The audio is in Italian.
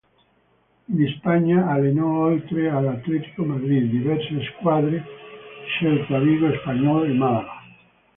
In Spagna allenò, oltre al Atlético Madrid, diverse squadre: Celta Vigo, Espanyol, Málaga.